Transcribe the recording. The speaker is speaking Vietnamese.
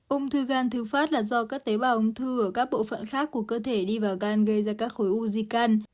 úng thư gan thư phát là do các tế bào ống thư ở các bộ phận khác của cơ thể đi vào gan gây ra các khối u di can